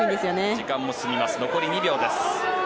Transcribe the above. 時間も進みます残り２秒です。